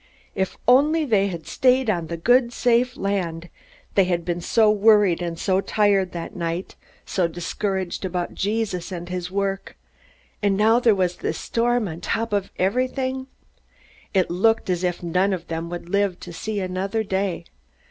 If only they had stayed on the good, safe land! They had been so worried and so tired that night; so discouraged about Jesus and his work. And now there was this storm on top of everything! It looked as if none of them would live to see another day.